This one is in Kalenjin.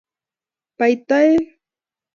bai toek